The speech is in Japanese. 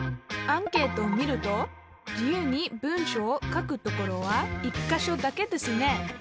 アンケートを見ると自由に文章を書くところは１か所だけですね